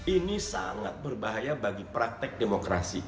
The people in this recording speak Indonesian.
ini sangat berbahaya bagi praktek demokrasi